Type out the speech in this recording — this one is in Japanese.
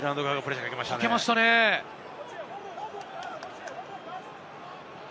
ニュージーランド側がプレッシャーをかけましたね。